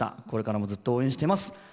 これからもずっと応援しています。